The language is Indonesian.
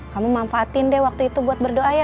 kamu manfaatin deh waktu itu buat berdoa ya